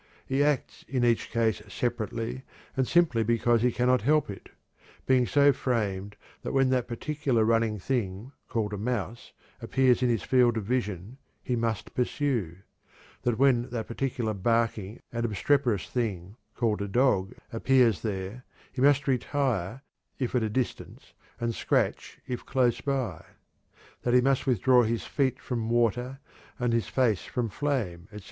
He acts in each case separately and simply because he cannot help it; being so framed that when that particular running thing called a mouse appears in his field of vision, he must pursue; that when that particular barking and obstreperous thing called a dog appears there, he must retire if at a distance, and scratch if close by; that he must withdraw his feet from water, and his face from flame, etc.